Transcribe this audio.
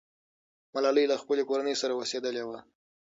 ملالۍ له خپلې کورنۍ سره اوسېدلې وه.